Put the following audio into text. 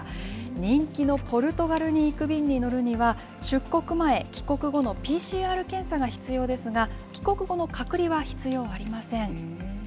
人気のポルトガルに行く便に乗るには、出国前、帰国後のＰＣＲ検査が必要ですが、帰国後の隔離は必要ありません。